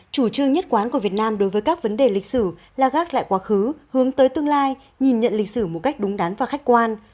chủ trương nhất quán của việt nam đối với các vấn đề lịch sử là gác lại quá khứ hướng tới tương lai nhìn nhận lịch sử một cách đúng đắn và khách quan